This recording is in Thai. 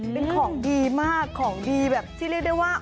เป็นของดีมากของดีแบบที่เรียกได้ว่า